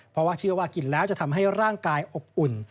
เพราะว่าเชื่อว่ากินแล้วจะทำให้ร่างกายอบอุ่น